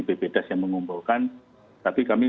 bp das yang mengumpulkan tapi kami